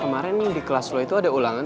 kemaren di kelas lo itu ada ulangan